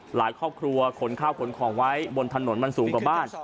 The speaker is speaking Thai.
หลายครอบครัวขนข้าวขนของไว้บนถนนมันสูงกว่าบ้าน